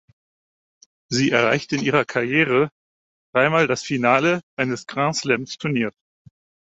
Sie erreichte in ihrer Karriere dreimal das Finale eines Grand-Slam-Turniers.